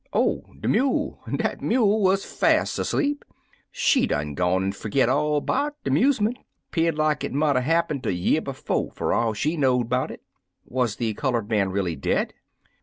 "Oh, de mule! Dat mule wuz fas' asleep. She done gone an' fergit all 'bout de 'muse ment. 'Feared lak it mout er happen de year befo' fer all she knowed 'bout it" "Was the colored man really dead?"